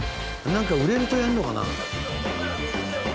なんか売れるとやるのかな？